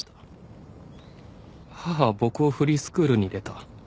母は僕をフリースクールに入れた。